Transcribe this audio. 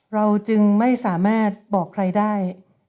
เราจึงไม่สามารถบอกใครได้